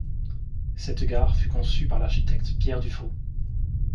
Cette gare fut conçue par l'architecte Pierre Dufau.